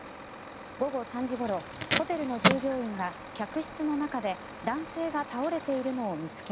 午後３時ごろホテルの従業員が客室の中で男性が倒れているのを見つけ